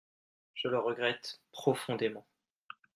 Je le regrette profondément.